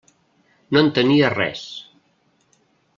No entenia res.